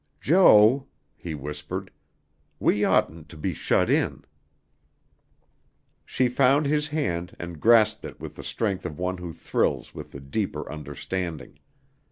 "Jo," he whispered, "we oughtn't to be shut in." She found his hand and grasped it with the strength of one who thrills with the deeper understanding.